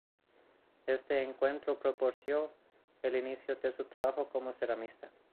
Este encuentro propició el inicio de su trabajo como ceramista.